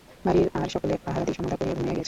বাড়ির আর সকলে আহারাদি সমাধা করিয়া ঘুমাইতে গিয়াছে।